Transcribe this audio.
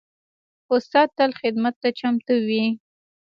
استاد تل خدمت ته چمتو وي.